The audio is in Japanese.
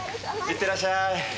行ってらっしゃーい。